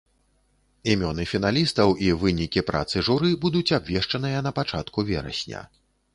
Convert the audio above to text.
Імёны фіналістаў і вынікі працы журы будуць абвешчаныя на пачатку верасня.